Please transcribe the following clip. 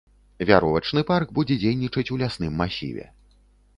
Вяровачны парк будзе дзейнічаць у лясным масіве.